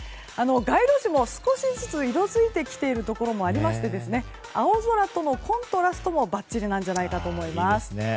街路樹も少しずつ色づいてきているところもありまして青空とのコントラストもばっちりなんじゃないかと思います。